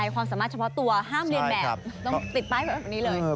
ความสามารถเฉพาะตัวห้ามเรียนแบบต้องติดป้ายไว้แบบนี้เลย